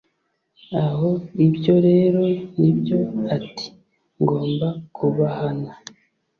Ah ibyo rero ni byo ati ngomba kubahana